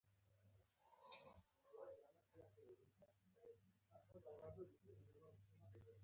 زه پر خپل وطن ویاړم